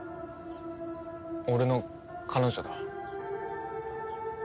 俺の彼女だ。